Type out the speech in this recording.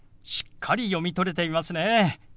しっかり読み取れていますね。